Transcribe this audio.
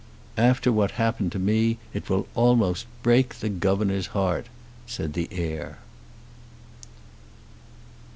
"After what happened to me it will almost break the governor's heart," said the heir.